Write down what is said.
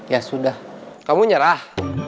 ya sudah kamu nyerah